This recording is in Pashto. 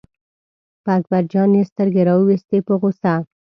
په اکبر جان یې سترګې را وویستې په غوسه.